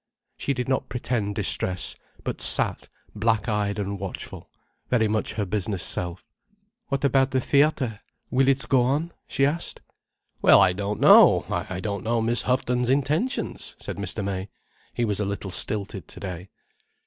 She did not pretend distress, but sat black eyed and watchful, very much her business self. "What about the theatre?—will it go on?" she asked. "Well I don't know. I don't know Miss Houghton's intentions," said Mr. May. He was a little stilted today.